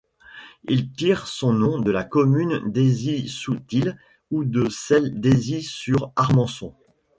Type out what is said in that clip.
Il tire son nom de la commune d'Aisy-sous-Thil ou de celle d'Aisy-sur-Armançon.